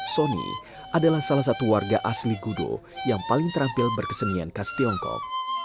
sony adalah salah satu warga asli gudo yang paling terampil berkesenian khas tiongkok